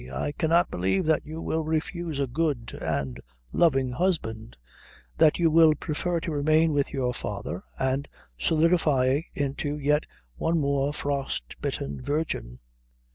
I cannot believe that you will refuse a good and loving husband, that you will prefer to remain with your father and solidify into yet one more frostbitten virgin."